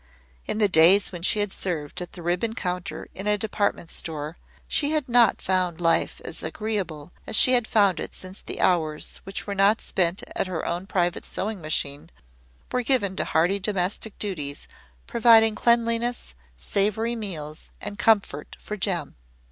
In the days when she had served at the ribbon counter in a department store, she had not found life as agreeable as she had found it since the hours which were not spent at her own private sewing machine were given to hearty domestic duties providing cleanliness, savoury meals, and comfort for Jem.